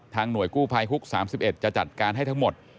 หน่วยกู้ภัยฮุก๓๑จะจัดการให้ทั้งหมด